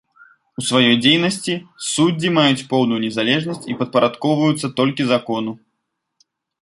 У сваёй дзейнасці суддзі маюць поўную незалежнасць і падпарадкоўваюцца толькі закону.